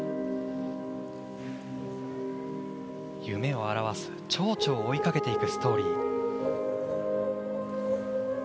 夢を表すちょうちょを追い掛けていくストーリー。